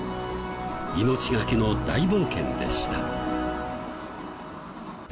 命がけの大冒険でした。